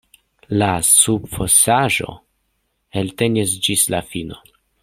La subfosaĵo eltenis ĝis la fino.